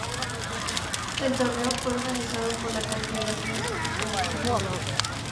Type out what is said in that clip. El torneo fue organizado por la Confederación Asiática de Fútbol.